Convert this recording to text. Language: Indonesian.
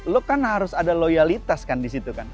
lo kan harus ada loyalitas kan di situ kan